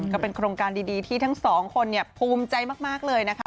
ก็เป็นโครงการดีที่ทั้งสองคนภูมิใจมากเลยนะคะ